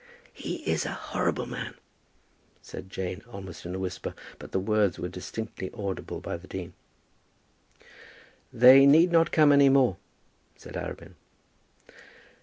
"He is a horrible man," said Jane, almost in a whisper; but the words were distinctly audible by the dean. "They need not come any more," said Arabin.